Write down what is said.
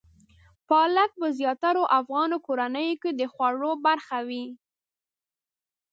پالک په زیاترو افغان کورنیو کې د خوړو برخه وي.